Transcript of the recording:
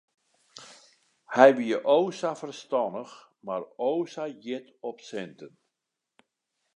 Hy wie o sa ferstannich mar o sa hjit op sinten.